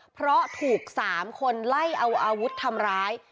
เพราะถูก๓คนไล่เอาอาวุธทำร้าย